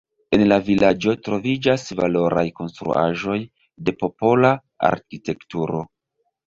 En la vilaĝo troviĝas valoraj konstruaĵoj de popola arkitekturo.